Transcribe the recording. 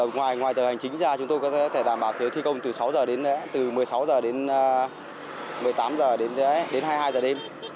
ngoài thời hành chính ra chúng tôi có thể đảm bảo thi công từ một mươi sáu h đến một mươi tám h đến hai mươi hai h đêm